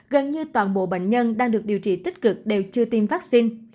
gần như toàn bộ bệnh nhân đang được điều trị tích cực đều chưa tiêm vaccine